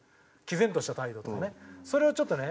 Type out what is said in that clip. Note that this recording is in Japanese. それをちょっとね